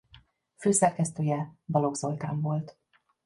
Főszerkesztője Balogh Zoltán volt.